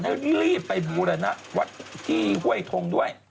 ให้รีบไปบูรณวัดที่ห้วยทงด้วย